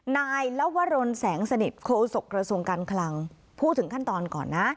ลวรนแสงสนิทโคศกระทรวงการคลังพูดถึงขั้นตอนก่อนนะ